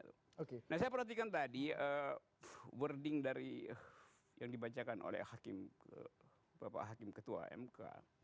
saya perhatikan tadi wording yang dibacakan oleh hakim ketua mk